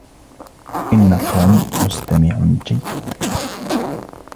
إن توم مستمع جيد